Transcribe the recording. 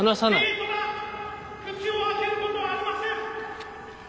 Ｋトラ口を開けることはありません！